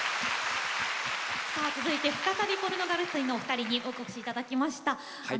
続いて再びポルノグラフィティのお二人にお越しいただきました。